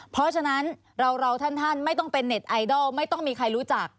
เพราะฉะนั้นเราท่านไม่ต้องเป็นเน็ตไอดอลไม่ต้องมีใครรู้จัก